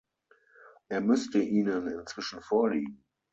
Er müsste Ihnen inzwischen vorliegen.